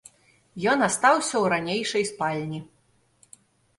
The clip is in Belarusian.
Ён астаўся ў ранейшай спальні.